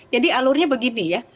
jadi alurnya begini ya